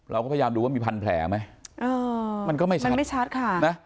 เราก็พยายามดูว่ามีพันแผลไหมมันก็ไม่ชัดค่ะ